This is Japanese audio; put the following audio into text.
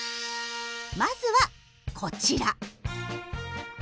まずはこちら。